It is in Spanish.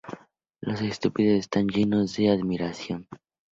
Los estúpidos están llenos de admiración.